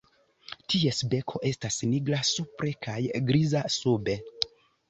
Ties beko estas nigra supre kaj griza sube.